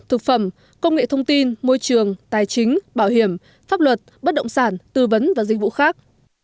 thực phẩm công nghệ thông tin môi trường tài chính bảo hiểm pháp luật bất động sản tư vấn và dịch vụ khác